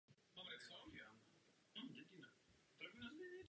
Téměř všichni Pražané znají Zličín jako nákupní zónu a stanici a depo metra.